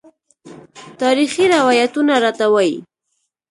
تاریخي روایتونه راته وايي.